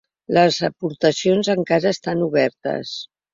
Les aportacions encara estan obertes.